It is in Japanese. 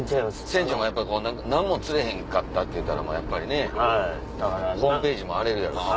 船長もやっぱりこう何も釣れへんかったって言うたらもうやっぱりねホームページも荒れるやろうし。